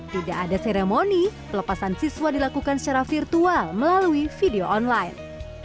tidak ada seremoni pelepasan siswa dilakukan secara virtual melalui video online